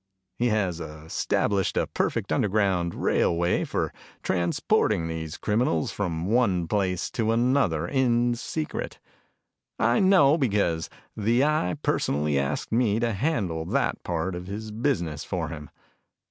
He has established a perfect underground railway for transporting these criminals from one place to another in secret. I know, because the Eye personally asked me to handle that part of his business for him."